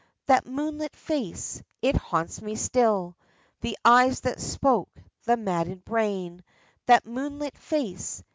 That moonlit face ! It haunts me still ! The eyes that spoke the maddened brain ! That moonlit face